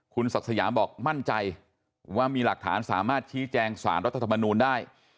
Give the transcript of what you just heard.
คุณศักดิ์สยามบอกมั่นใจว่ามีหลักฐานสามารถชี้แจงสารรัฐธรรมนูลได้